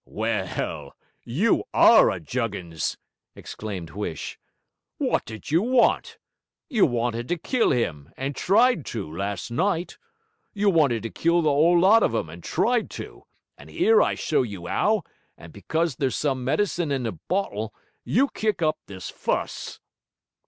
'Well, you ARE a juggins!' exclaimed Huish. 'What did you want? You wanted to kill him, and tried to last night. You wanted to kill the 'ole lot of them and tried to, and 'ere I show you 'ow; and because there's some medicine in a bottle you kick up this fuss!'